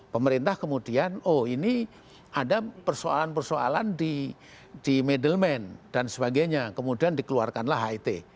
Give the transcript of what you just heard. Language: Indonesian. pemerintah kemudian oh ini ada persoalan persoalan di middleman dan sebagainya kemudian dikeluarkanlah het